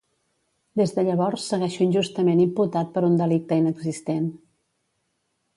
Des de llavors segueixo injustament imputat per un delicte inexistent.